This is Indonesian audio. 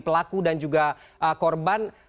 pelaku dan juga korban